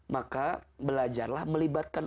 maka belajarlah melibatkan